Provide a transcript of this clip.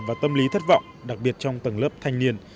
và tâm lý thất vọng đặc biệt trong tầng lớp thanh niên